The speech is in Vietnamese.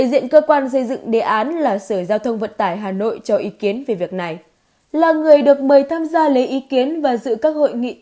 xin chào và hẹn gặp lại